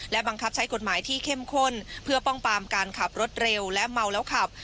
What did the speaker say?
บังคับใช้กฎหมายที่เข้มข้นเพื่อป้องปามการขับรถเร็วและเมาแล้วขับ